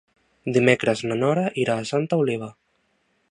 Dimecres na Nora irà a Santa Oliva.